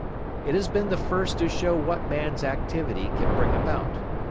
It has been the first to show what man's activity can bring about.